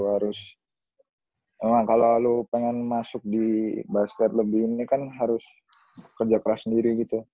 harus emang kalau lo pengen masuk di basket lebih ini kan harus kerja keras sendiri gitu